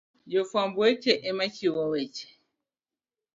Jofwamb weche ema chiwo weche